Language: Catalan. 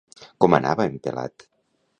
Com anava en Pelat?